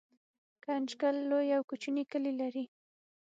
ګنجګل لوی او کوچني کلي لري